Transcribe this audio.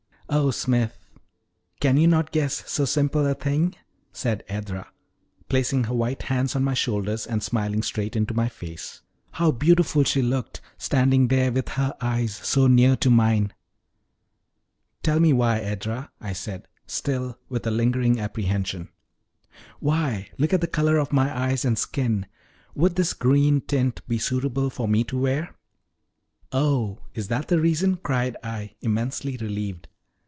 "Oh, Smith, can you not guess so simple a thing?" said Edra, placing her white hands on my shoulders and smiling straight into my face. How beautiful she looked, standing there with her eyes so near to mine! "Tell me why, Edra?" I said, still with a lingering apprehension. "Why, look at the color of my eyes and skin would this green tint be suitable for me to wear?" "Oh, is that the reason!" cried I, immensely relieved.